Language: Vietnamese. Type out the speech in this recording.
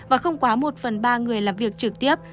và không quá một phần ba người làm việc trực tiếp